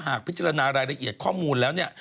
พิจารณารายละเอียดข้อมูลแล้วเนี่ย